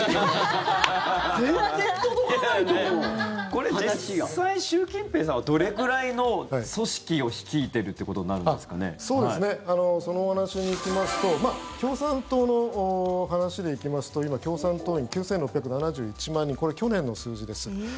これ実際、習近平さんはどれぐらいの組織を率いてるってことになるんですかね？その話に行きますと共産党の話で行きますと今、共産党員９６７１万人これ去年の数字です。